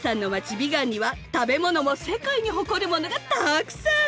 ビガンには食べ物も世界に誇るものがたくさん！